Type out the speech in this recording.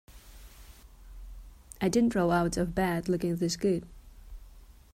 I didn't roll out of bed looking this good.